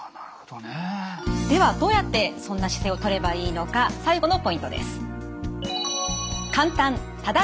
ではどうやってそんな姿勢をとればいいのか最後のポイントです。